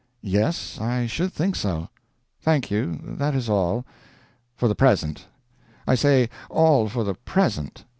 "Yes, I should think so." "Thank you, that is all. For the present. I say, all for the present."